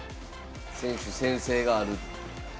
選手宣誓がある。